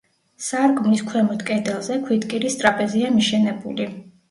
სარკმლის ქვემოთ კედელზე, ქვითკირის ტრაპეზია მიშენებული.